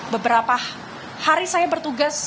beberapa hari saya bertugas